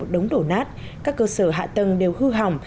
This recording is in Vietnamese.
đống đổ nát các cơ sở hạ tầng đều hư hỏng